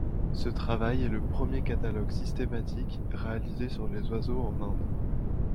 Ce travail est le premier catalogue systématique réalisé sur les oiseaux en Inde.